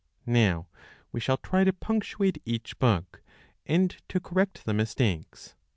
Now we shall try to punctuate each book, and to correct the mistakes.